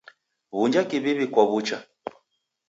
W'unja kiwiwi kwa w'ucha.